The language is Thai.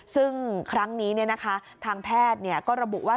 ซึ่งครั้งนี้ทางแพทย์ก็ระบุว่า